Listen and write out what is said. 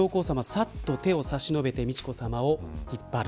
さっと手を差し伸べて美智子さまを引っ張る。